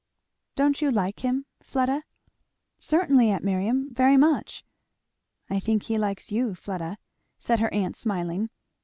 "Don't you like him, Fleda?" "Certainly, aunt Miriam very much.' "I think he likes you, Fleda," said her aunt smiling.